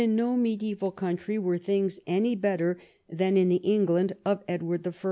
no mediaeval country were things any better than in the England of Edward I.